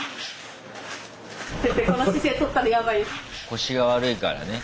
腰が悪いからね。